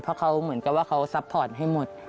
เพราะเขาเหมือนกับว่าเขาซัพพอร์ตให้หมด